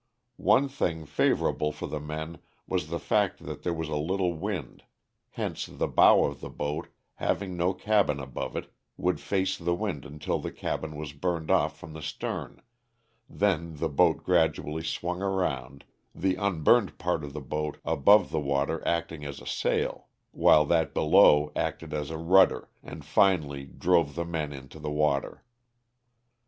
One thing favor able for the men was the fact that there was a little wind, hence the bow of the boat, having no cabin above it, would face the wind until the cabin was burned off from the stern, then the boat gradually swung around, the unburned part of the boat above the water acting as a sail while that below acted as a rudder, and finally drove the men into the water.